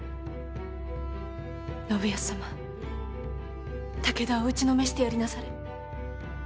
信康様武田を打ちのめしてやりなされ。